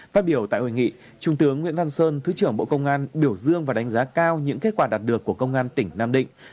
phát biểu tại hội nghị trung tướng nguyễn văn sơn thứ trưởng bộ công an biểu dương và đánh giá cao những kết quả đạt được của công an tỉnh nam định